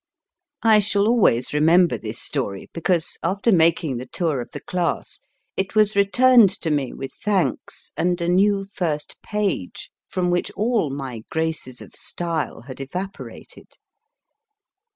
I shall always remember this story because, after making the tour of the class, it was returned to me with thanks and a new first page from which all my graces of style had evaporated.